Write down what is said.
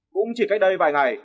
cũng chỉ cách đây vài ngày